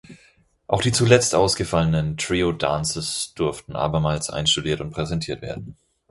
Auch die zuletzt ausgefallenen Trio Dances durften abermals einstudiert und präsentiert werden.